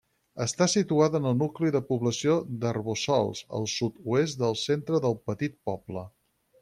Està situada en el nucli de població d'Arboçols, al sud-oest del centre del petit poble.